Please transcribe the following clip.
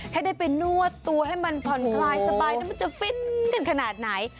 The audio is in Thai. ถ้าได้ไปนวดตัวให้มันผ่อนคลายสบายแล้วมันจะฟินกันขนาดไหน